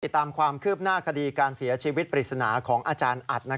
ตามความคืบหน้าคดีการเสียชีวิตปริศนาของอาจารย์อัด